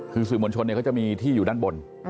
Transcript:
คือสื่อมวลชนเขาจะมีที่อยู่ด้านบน